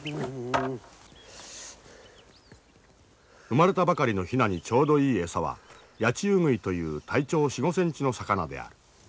生まれたばかりのヒナにちょうどいい餌はヤチウグイという体長４５ｃｍの魚である。